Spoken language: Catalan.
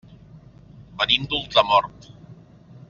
Venim d'Ultramort.